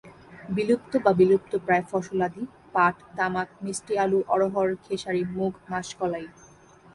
বিলুপ্ত বা বিলুপ্তপ্রায় ফসলাদি পাট, তামাক, মিষ্টি আলু, অড়হর, খেসারি, মুগ, মাষকলাই।